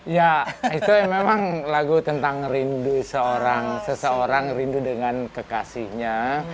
ya itu memang lagu tentang rindu seseorang rindu dengan kekasihnya